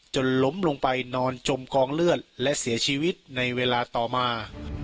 ล้มลงไปนอนจมกองเลือดและเสียชีวิตในเวลาต่อมา